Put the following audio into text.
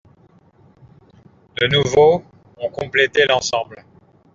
De nouveaux ont complété l'ensemble.